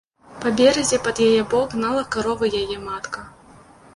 Па беразе, пад яе бок, гнала карову яе матка.